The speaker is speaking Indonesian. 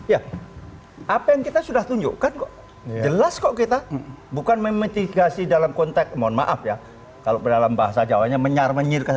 ya apa yang kita sudah tunjukkan kok jelas kok kita bukan memitigasi dalam konteks mohon maaf ya kalau dalam bahasa jawanya menyar menyirga